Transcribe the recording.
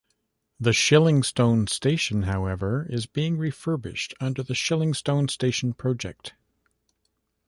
The Shillingstone Station, however, is being refurbished under the "Shillingstone Station Project".